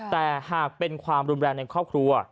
แต่หากเป็นความรุนแรงในครอบครัว